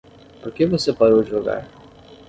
Por que você parou de jogar?